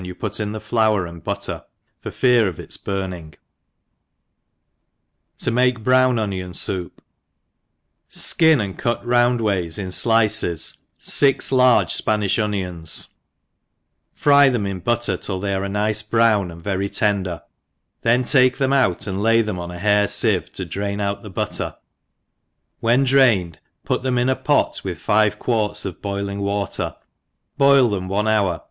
you put in (he flour and butter, for fear of its burning. T9 ENGLISH HOUSE KEEPER. 9 To make Brown Onion Soup. SKIN and cut round wjiys in iliccs fix large Spanifh onions, fry them m butter till they are a nice brown, and very tender, then take them out and lay them on a hair fieve to drain out the butter^ when drained put them in a pot with five quarts of boiling water, boil them one hour